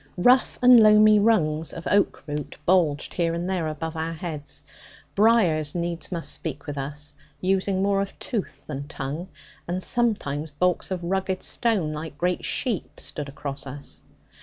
Rough and loamy rungs of oak root bulged here and there above our heads; briers needs must speak with us, using more of tooth than tongue; and sometimes bulks of rugged stone, like great sheep, stood across us.